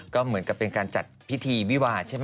ก็เหมือนกับเป็นการจัดพิธีวิวาใช่ไหม